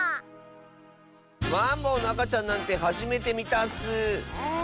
マンボウのあかちゃんなんてはじめてみたッスー。